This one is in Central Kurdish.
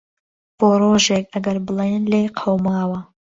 بۆ رۆژێک ئەگەر بڵێن لیێ قەوماوە.